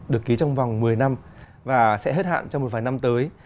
được ký trong vòng một mươi năm và sẽ hết hạn trong một vài năm tới